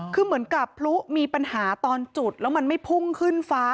คือเหมือนกับพลุมีปัญหาตอนจุดแล้วมันไม่พุ่งขึ้นฟ้า